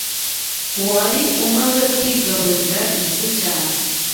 wari umaze kwigarurira Ijwi cyane